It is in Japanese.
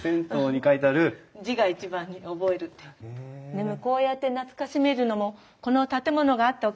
でもこうやって懐かしめるのもこの建物があったおかげですよね。